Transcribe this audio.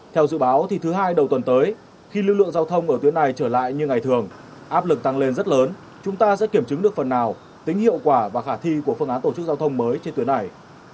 theo dự báo thứ hai đầu tuần tới khi lưu lượng giao thông ở tuyến này trở lại như ngày thường áp lực tăng lên rất lớn chúng ta sẽ kiểm chứng được phần nào tính hiệu quả và khả thi của phương án tổ chức giao thông mới trên tuyến này